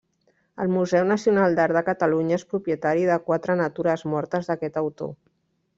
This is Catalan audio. El Museu Nacional d'Art de Catalunya és propietari de quatre natures mortes d'aquest autor.